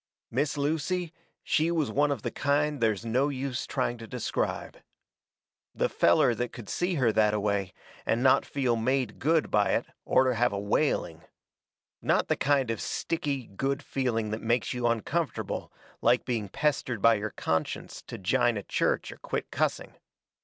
Miss Lucy, she was one of the kind there's no use trying to describe. The feller that could see her that a way and not feel made good by it orter have a whaling. Not the kind of sticky, good feeling that makes you uncomfortable, like being pestered by your conscience to jine a church or quit cussing.